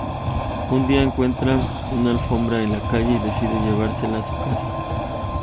Un día, encuentra una alfombra en la calle y decide llevársela a su casa.